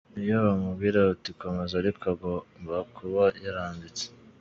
Niyo bamubwira bati komeza ariko agomba kuba yaranditse.